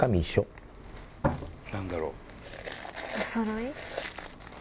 ね、おそろい？